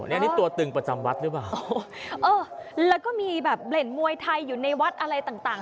อันนี้ตัวตึงประจำวัดหรือเปล่าเออแล้วก็มีแบบเล่นมวยไทยอยู่ในวัดอะไรต่างต่าง